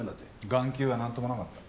眼球はなんともなかった。